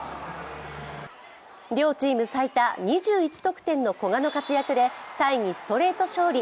両チーム最多２１得点の古賀の活躍でタイにストレート勝利。